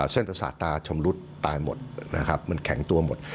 เส้นประสาทตาชำรุดตายหมดนะครับมันแข็งตัวหมด